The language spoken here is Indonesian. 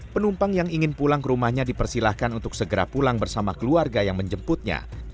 penumpang yang ingin pulang ke rumahnya dipersilahkan untuk segera pulang bersama keluarga yang menjemputnya